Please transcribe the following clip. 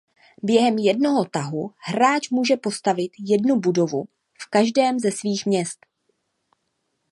Během jednoho tahu hráč může postavit jednu budovu v každém ze svých měst.